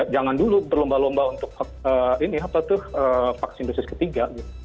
jangan dulu berlomba lomba untuk ini apa tuh vaksin dosis ketiga